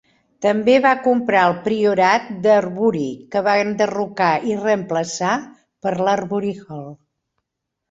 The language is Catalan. També va comprar el Priorat d'Arbury, que va enderrocar i reemplaçar per l'Arbury Hall.